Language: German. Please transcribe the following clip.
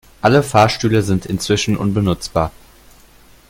Alle Fahrstühle sind inzwischen unbenutzbar.